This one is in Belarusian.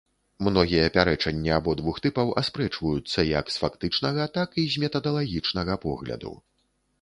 Многія пярэчанні абодвух тыпаў аспрэчваюцца як з фактычнага, так і з метадалагічнага погляду.